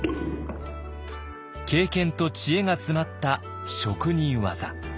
経験と知恵が詰まった職人技。